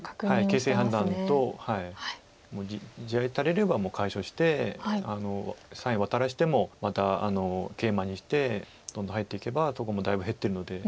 形勢判断ともう地合い足りれば解消して左辺ワタらせてもまたケイマにしてどんどん入っていけばそこもだいぶ減ってるので。